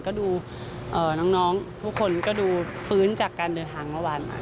ก็ดูน้องทุกคนก็ดูฟื้นจากการเดินทางเมื่อวาน